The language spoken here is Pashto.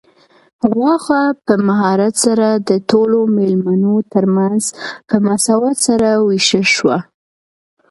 غوښه په مهارت سره د ټولو مېلمنو تر منځ په مساوات سره وویشل شوه.